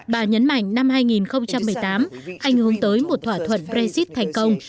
bà nhấn mạnh năm hai nghìn một mươi tám ảnh hưởng tới một thỏa thuận brexit thành công